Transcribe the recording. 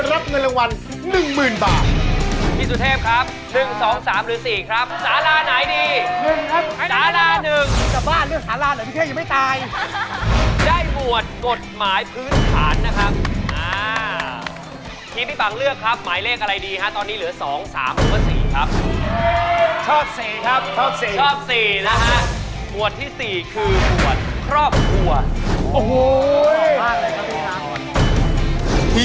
รับเงินรางวัล๑๐๐๐๐บาท